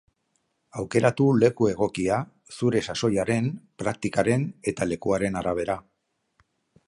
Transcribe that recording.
Aukeratu leku egokia, zure sasoiaren, praktikaren eta lekuaren arabera.